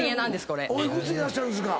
お幾つでいらっしゃるんですか？